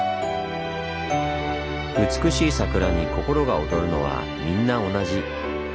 美しい桜に心が躍るのはみんな同じ。